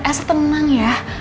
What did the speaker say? eh asah tenang ya